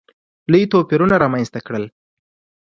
لوی توپیرونه رامځته کړل.